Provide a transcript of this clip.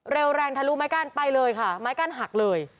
แรงทะลุไม้กั้นไปเลยค่ะไม้กั้นหักเลย